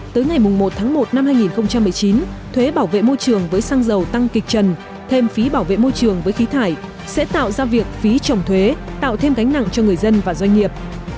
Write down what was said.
tới ngày một tháng một năm hai nghìn một mươi chín thuế bảo vệ môi trường với xăng dầu tăng kịch trần thêm phí bảo vệ môi trường với khí thải sẽ tạo ra việc phí trồng thuế tạo thêm gánh nặng cho người dân và doanh nghiệp